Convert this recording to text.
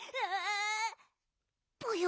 ぽよ！